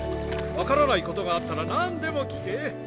分からないことがあったら何でも聞け。